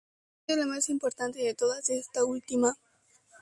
Siendo la más importante de todas, esta última.